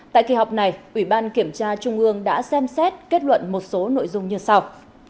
tại kỳ họp này ủy ban kiểm tra trung ương đã xem xét kết luận một số nội dung như sau